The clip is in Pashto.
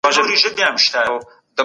د ژوند حق ډېر مقدس دی.